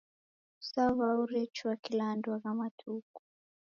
Saw'au rechua kula andu agha matuku.